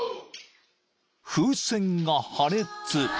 ［風船が破裂］